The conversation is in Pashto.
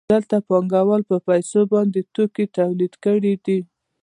دلته پانګوال په پیسو باندې توکي تولید کړي دي